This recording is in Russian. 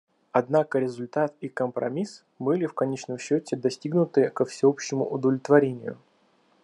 Однако результат и компромисс были в конечном счете достигнуты ко всеобщему удовлетворению.